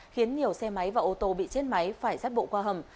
khiến nhiều xe máy và ô tô bị chết máy phải sát bộ qua hầm